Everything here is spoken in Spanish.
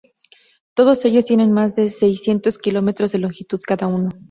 Todos ellos tienen más de seiscientos kilómetros de longitud cada uno.